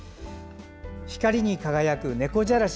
光に輝く猫じゃらし。